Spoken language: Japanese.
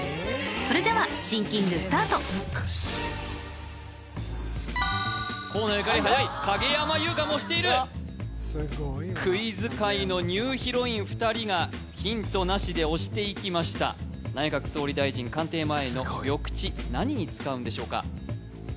それではシンキングスタート河野ゆかりはやい影山優佳も押しているクイズ界のニューヒロイン２人がヒントなしで押していきました内閣総理大臣官邸前の緑地何に使うんでしょうか？